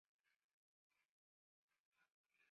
宇久町是位于长崎县北松浦郡的离岛的一町。